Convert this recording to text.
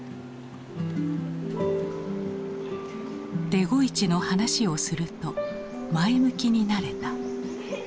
デゴイチの話をすると前向きになれた。